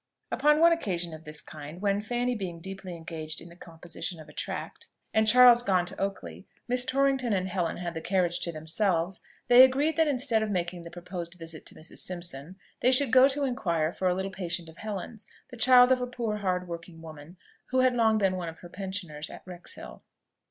Upon one occasion of this kind, when, Fanny being deeply engaged in the composition of a tract, and Charles gone to Oakley, Miss Torrington and Helen had the carriage to themselves, they agreed that instead of making the proposed visit to Mrs. Simpson, they should go to inquire for a little patient of Helen's, the child of a poor hard working woman, who had long been one of her pensioners at Wrexhill.